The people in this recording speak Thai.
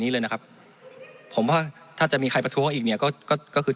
นี้เลยนะครับผมว่าถ้าจะมีใครประท้วงอีกเนี่ยก็ก็คือ